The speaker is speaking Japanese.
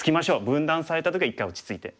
分断された時は一回落ち着いて。